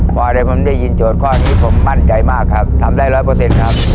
พอได้ผมได้ยินโจทย์ข้อนี้ผมมั่นใจมากครับทำได้ร้อยเปอร์เซ็นต์ครับ